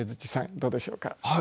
どうでしょうか？